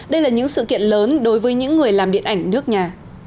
đây là những sự kiện lớn đối với những người làm điện ảnh nước nhà